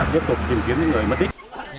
tiếp tục tìm kiếm những người mất tích